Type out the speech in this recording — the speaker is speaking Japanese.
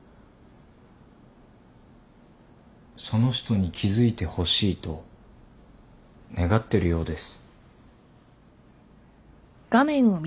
その人に気付いてほしいと願ってるようです。